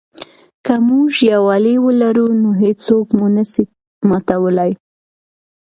که موږ یووالي ولرو نو هېڅوک مو نه سي ماتولای.